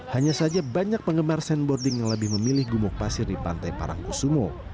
hanya saja banyak penggemar sandboarding yang lebih memilih gumuk pasir di pantai parangkusumo